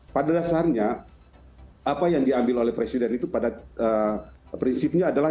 pada dasarnya apa yang diambil oleh presiden itu pada prinsipnya adalah